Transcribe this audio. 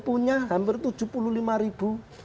punya hampir tujuh puluh lima ribu